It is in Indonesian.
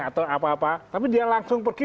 atau apa apa tapi dia langsung pergi